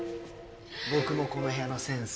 僕もこの部屋のセンス